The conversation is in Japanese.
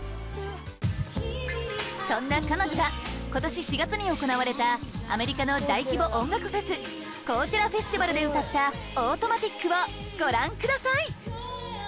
そんな彼女が今年４月に行われたアメリカの大規模音楽フェスコーチェラフェスティバルで歌った「Ａｕｔｏｍａｔｉｃ」をご覧ください